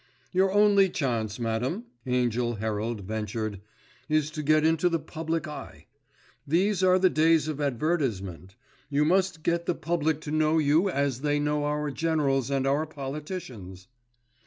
"Your only chance, madam," Angell Herald ventured, "is to get into the public eye. These are the days of advertisement. You must get the public to know you as they know our generals and our politicians."